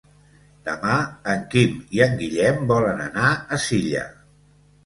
Demà en Quim i en Guillem volen anar a Silla.